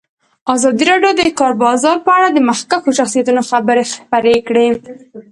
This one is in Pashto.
ازادي راډیو د د کار بازار په اړه د مخکښو شخصیتونو خبرې خپرې کړي.